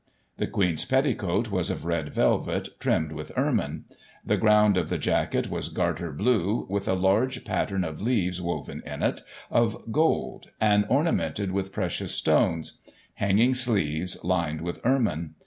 The Queen's petticoat was of red velvet, trimmed with ermine. The ground of the jacket was garter blue, with a large pattern of leaves woven in it, of gold, and ornamented with precious stones ; hanging sleeves, lined with ermine.